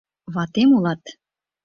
— Ватем улат.